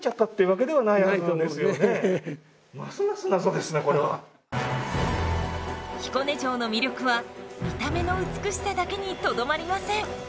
ますます謎ですねこれは！彦根城の魅力は見た目の美しさだけにとどまりません。